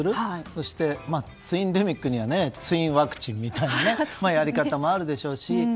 そしてツインデミックにはツインワクチンみたいなやり方もあるでしょうし。